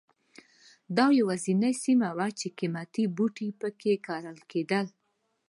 دا یوازینۍ سیمه وه چې قیمتي بوټي په کې کرل کېدل.